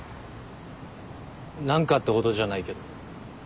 何かってほどじゃないけど。